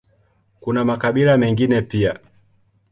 Kuna makabila mengine pia.